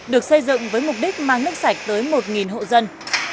được xây dựng với mục đích mang nước sạch tới một hộ dân